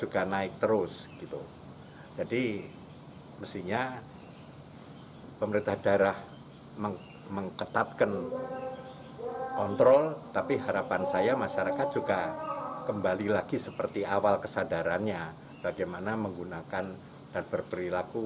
kesadarannya bagaimana menggunakan dan berperilaku